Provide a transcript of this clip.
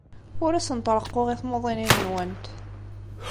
Ur asent-reqquɣ i timuḍinin-nwent.